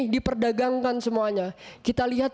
diperdagangkan semuanya kita lihat